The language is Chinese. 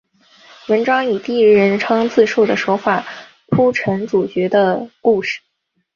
文章以第一人称自叙的手法铺陈主角的故事。